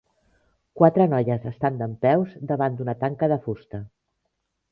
Quatre noies estan dempeus davant d'una tanca de fusta.